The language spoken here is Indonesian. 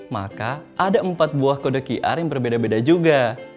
maka ada empat buah kode qr yang berbeda beda juga